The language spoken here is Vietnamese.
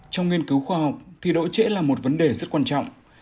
trong nghiên cứu khoa học thì độ trễ là một vấn đề rất quan trọng